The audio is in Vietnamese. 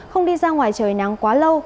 không đi ra ngoài trời nắng quá lâu